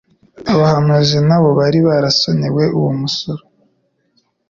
Abahariuzi nabo bari barasonewe uwo musoro.